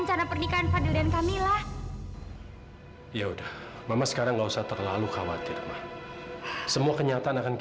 sampai jumpa di video selanjutnya